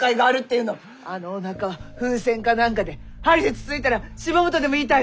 あのおなか風船か何かで針でつついたらしぼむとでも言いたいの？